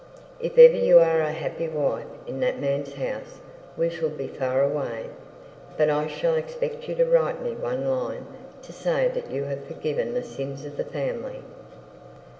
If ever you are a happy wife in that man's house, we shall be far away; but I shall expect you to write me one line to say that you have forgiven the sins of the family.'